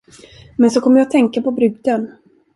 Men så kom jag att tänka på brygden.